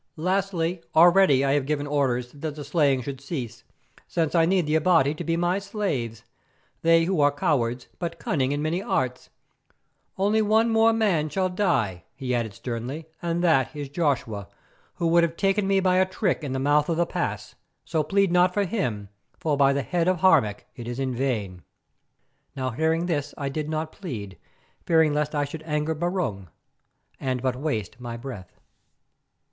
Lastly, already I have given orders that the slaying should cease, since I need the Abati to be my slaves, they who are cowards, but cunning in many arts. Only one more man shall die," he added sternly, "and that is Joshua, who would have taken me by a trick in the mouth of the pass. So plead not for him, for by the head of Harmac it is in vain." Now hearing this I did not plead, fearing lest I should anger Barung, and but waste my breath.